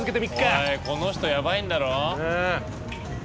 おいこの人やばいんだろ？